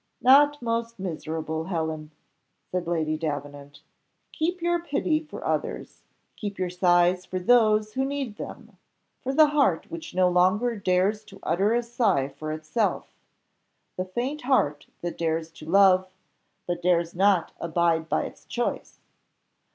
"Not most miserable, Helen," said Lady Davenant, "keep your pity for others; keep your sighs for those who need them for the heart which no longer dares to utter a sigh for itself, the faint heart that dares to love, but dares not abide by its choice.